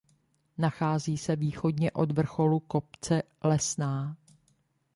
Nachází se východně od vrcholu kopce Lesná.